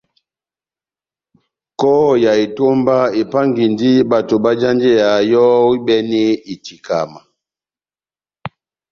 Kɔhɔ ya etómba epángandi bato bajanjeya yɔ́ ohibɛnɛ itikama.